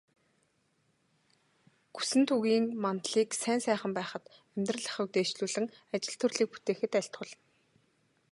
Гүсэнтүгийн мандлыг сайн сайхан байхад, амьдрал ахуйг дээшлүүлэн, ажил төрлийг бүтээхэд айлтгуулна.